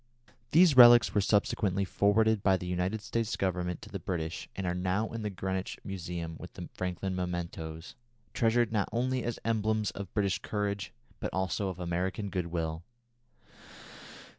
These relics were subsequently forwarded by the United States Government to the British and are now in the Greenwich Museum with the Franklin mementoes, treasured not only as emblems of British courage but also of American good will.